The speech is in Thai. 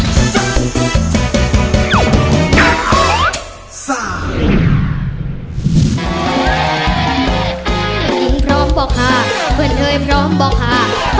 พี่พร้อมเปล่าค่ะเพื่อนเธอยพร้อมเปล่าค่ะ